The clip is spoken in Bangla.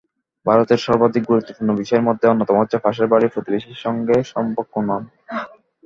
ভারতের সর্বাধিক গুরুত্বপূর্ণ বিষয়ের মধ্যে অন্যতম হচ্ছে পাশের বাড়ির প্রতিবেশীদের সঙ্গে সম্পর্কোন্নয়ন।